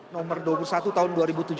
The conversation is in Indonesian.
nomor dua puluh satu tahun dua ribu tujuh belas